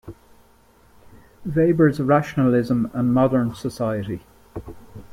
Weber's Rationalism and Modern Society.